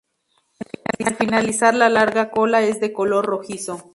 Al finalizar la larga cola es de color rojizo.